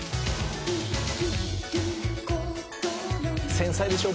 「繊細でしょ？